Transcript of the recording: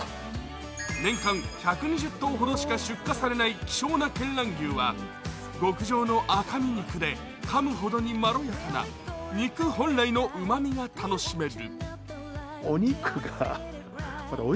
年間１２０頭ほどしか出荷されない希少な見蘭牛は極上の赤身肉で、かむほどにまろやかな肉本来のうまみが楽しめる。